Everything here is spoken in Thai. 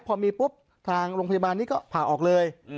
พอมีปุ๊บทางโรงพยาบาลนี้ก็ผ่าออกเลย